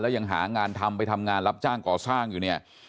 ยังหางานทำไปทำงานรับจ้างก่อสร้างอยู่เนี่ย